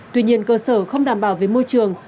tuy nhiên cơ sở không đảm bảo về môi trường